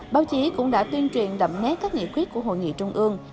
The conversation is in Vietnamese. báo chí cũng đã tuyên truyền đậm nét các nghị quyết của hội nghị trung ương